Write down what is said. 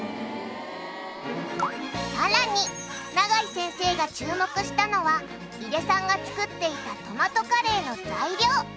さらに永井先生が注目したのは井出さんが作っていたトマトカレーの材料。